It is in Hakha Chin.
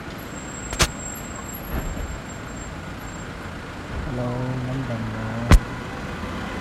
Kil li ngeimi in awng pum na phit kho lai lo.